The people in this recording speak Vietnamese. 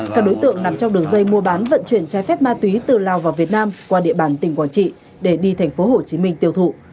các đối tượng nằm trong đường dây mua bán vận chuyển trái phép ma túy từ lào vào việt nam qua địa bàn tỉnh quảng trị để đi tp hcm tiêu thụ